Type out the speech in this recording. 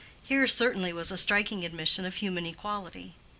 Here certainly was a striking admission of human equality.